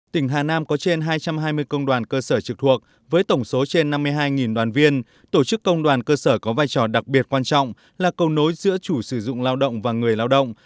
tỉnh hà nam có trên hai trăm hai mươi công đoàn cơ sở trực thuộc với tổng số trên năm mươi hai đoàn viên tổ chức công đoàn cơ sở có vai trò đặc biệt quan trọng là cầu nối giữa chủ sử dụng lao động và người lao động